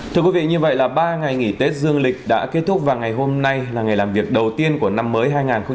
thưa quý vị như vậy là ba ngày nghỉ tết dương lịch đã kết thúc và ngày hôm nay là ngày làm việc đầu tiên của năm mới hai nghìn hai mươi bốn